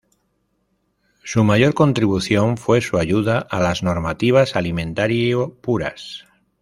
Su mayor contribución fue su ayuda a las normativas alimentario puras.